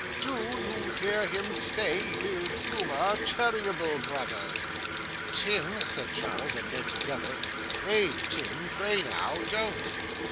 DO you hear him say he'll humour Cheeryble Brothers?' 'Tim,' said Charles and Ned together, 'pray, Tim, pray now, don't.